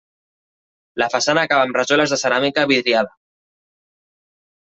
La façana acaba amb rajoles de ceràmica vidriada.